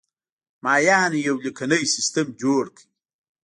مایانو یو لیکنی سیستم جوړ کړ.